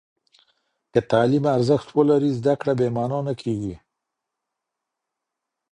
که تعلیم ارزښت ولري، زده کړه بې معنا نه کېږي.